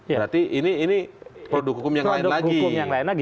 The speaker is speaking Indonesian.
berarti ini produk hukum yang lain lagi